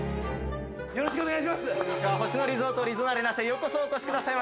よろしくお願いします。